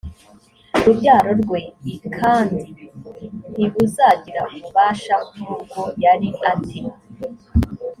rubyaro rwe l kandi ntibuzagira ububasha nk ubwo yari a te